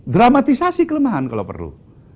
dramatisasi kelemahan kalau perlu